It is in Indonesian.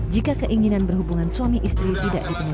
jika keinginan berhubungan suami istri tidak dipengaruhi